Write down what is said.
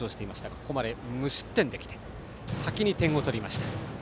ここまで無失点できて先に点を取りました。